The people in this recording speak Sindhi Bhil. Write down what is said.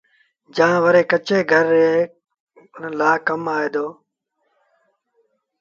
جآݩ وري ڪچي گھر ري رآڳي لآ ڪم آئي ديٚ